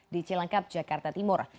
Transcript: di cilangkap jakarta timur